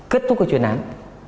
kết thúc cái chuyện án